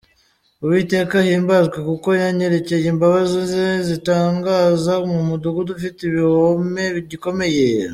Uwiteka ahimbazwe, Kuko yanyerekeye imbabazi ze zitangaza, Mu mudugudu ufite igihome gikomeye.